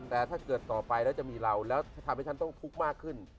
แต่ถ้าเกิดต่อไปแล้วจะมีเราแล้วทำให้ฉันต้องทุกข์มากขึ้น